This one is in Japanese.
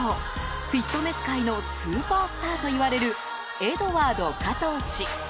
フィットネス界のスーパースターといわれるエドワード加藤氏。